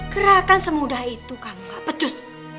gerakan semudah itu kamu gak pecus